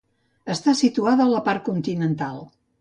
Està situada a la part continental.